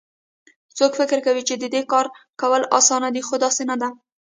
څوک فکر کوي چې د دې کار کول اسان دي خو داسي نه ده